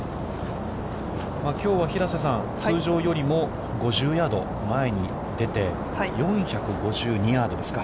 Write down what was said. きょうは、平瀬さん、通常よりも５０ヤード前に出て、４５２ヤードですか。